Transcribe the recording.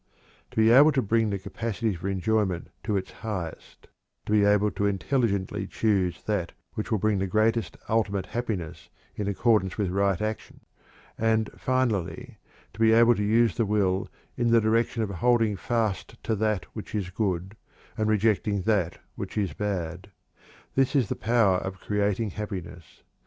To be able to bring the capacity for enjoyment to its highest; to be able to intelligently choose that which will bring the greatest ultimate happiness in accordance with right action; and, finally, to be able to use the will in the direction of holding fast to that which is good and rejecting that which is bad this is the power of creating happiness.